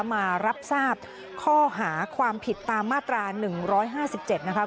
มารับทราบข้อหาความผิดตามมาตรา๑๕๗นะคะ